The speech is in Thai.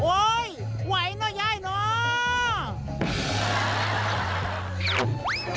ไหวเนอะยายเนาะ